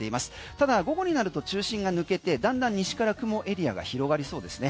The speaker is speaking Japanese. ただ午後になると中心が抜けてだんだん西から雲エリアが広がりそうですね。